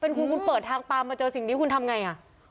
คุณคุณเปิดทางปลามาเจอสิ่งนี้คุณทำไงอ่ะ